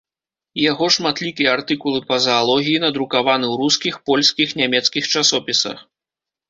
Яго шматлікія артыкулы па заалогіі надрукаваны ў рускіх, польскіх, нямецкіх часопісах.